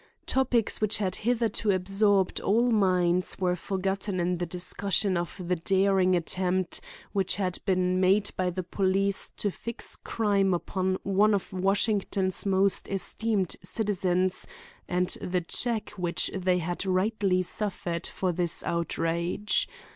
Topics which had hitherto absorbed all minds were forgotten in the discussion of the daring attempt which had been made by the police to fix crime upon one of Washington's most esteemed citizens, and the check which they had rightly suffered for this outrage.